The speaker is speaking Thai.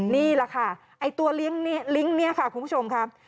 นี่แหละค่ะไอ้ตัวลิงก์เนี่ยค่ะคุณผู้ชมค่ะ